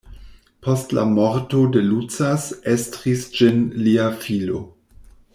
Post la morto de Lucas estris ĝin lia filo.